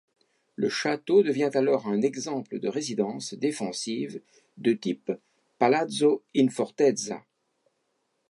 Le château devient alors un exemple de résidence défensive de type „palazzo in fortezza”.